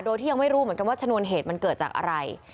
โดยที่ยังไม่รู้เหมือนกันว่าชนวนเหตุมันเกิดจากอะไร